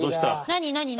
何何何？